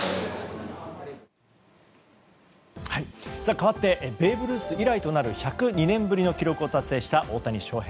かわってベーブ・ルース以来となる１０２年ぶりの記録を達成した大谷翔平。